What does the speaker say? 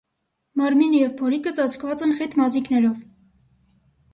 Մարմինը և փորիկը ծածկված են խիտ մազիկներով։